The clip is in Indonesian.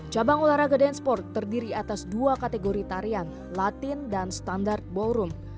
cabang olahraga danceport terdiri atas dua kategori tarian latin dan standar ballroom